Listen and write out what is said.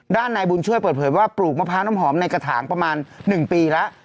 ด้านนายบุญช่วยเปิดเผยว่าปลูกมะพร้าวน้ำหอมในกระถางประมาณ๑ปีแล้ว